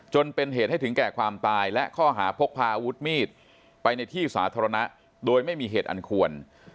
จนเป็นเหตุให้ถึงแก่ความตายและข้อหาพกพาอาวุธมีดไปในที่สาธารณะโดยไม่มีเหตุอันควร